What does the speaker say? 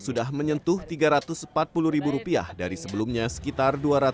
sudah menyentuh rp tiga ratus empat puluh dari sebelumnya sekitar dua ratus